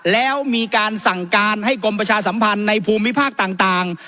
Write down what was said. แล้วมีการสั่งการให้กรมประชาสัมพันธ์ในภูมิภาคต่าง